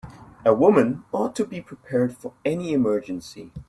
A woman ought to be prepared for any emergency.